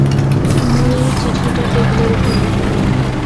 মুনির চিঠিটা টেবিলের উপর রাখল।